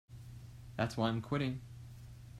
That's why I'm quitting.